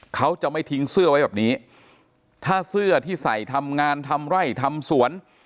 เขาจะไม่ทิ้งเสื้อไว้แบบนี้ถ้าเสื้อที่ใส่ทำงานทำไร่ทำสวน